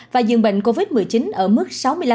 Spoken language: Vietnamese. và dường bệnh covid một mươi chín ở mức sáu mươi năm